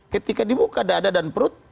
ketika dibuka dada dan perut